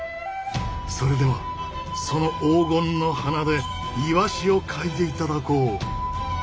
それではその黄金の鼻でイワシを嗅いでいただこう！